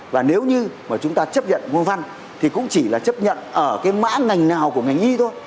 và nếu như mà chúng ta chấp nhận môn văn thì cũng chỉ là chấp nhận ở cái mã ngành nào của ngành y thôi